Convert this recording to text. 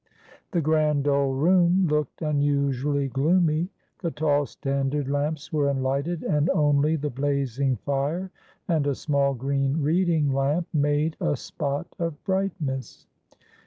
The grand old room looked unusually gloomy. The tall standard lamps were unlighted, and only the blazing fire and a small green reading lamp made a spot of brightness.